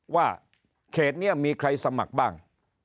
ว่าเขตนี้มีใครสมัครบ้าง